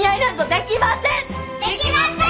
できません！